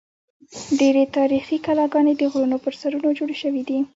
ډېری تاریخي کلاګانې د غرونو پر سرونو جوړې شوې دي.